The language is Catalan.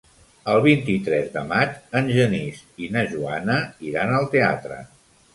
El vint-i-tres de maig en Genís i na Joana iran al teatre.